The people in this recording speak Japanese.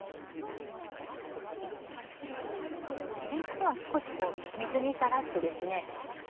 れんこんは少し水にさらすとですね